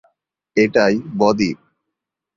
এটাই বদ্বীপ।